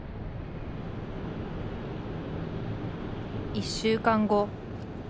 １週間後。